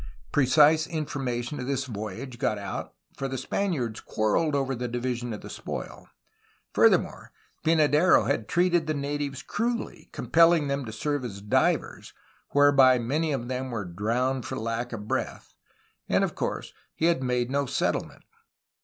Precise information of this voyage got out, for the Spaniards quarreled over the division of the spoil. Further more, Pynadero had treated the natives cruelly, compelling them to serve as divers, whereby many of them were ^ 'drowned for lack of breath," and of course he had made no settlement.